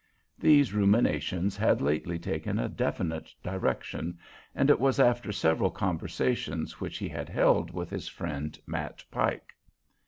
These ruminations had lately taken a definite direction, and it was after several conversations which he had held with his friend Matt Pike.